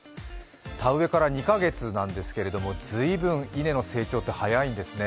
田植えから２か月なんですけれども随分稲の生長って早いんですね。